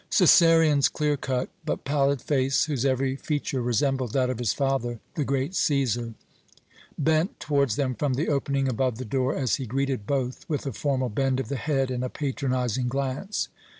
Cæsarion's clear cut but pallid face, whose every feature resembled that of his father, the great Cæsar, bent towards them from the opening above the door, as he greeted both with a formal bend of the head and a patronizing glance.